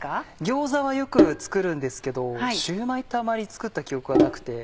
ギョーザはよく作るんですけどシューマイってあまり作った記憶がなくて。